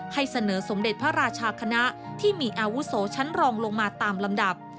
ให้เสนอสมเด็จพระราชาคณะที่มีอาวุโสชั้นรองลงมาตามลำดับ